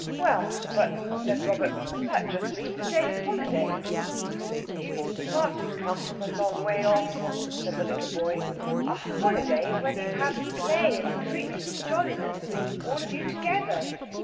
"Well, but," said Robert, "that just means a day's holiday." "You must come from a long way off," said the little boy. "A holiday's when you all have play and treats and jolliness, all of you together.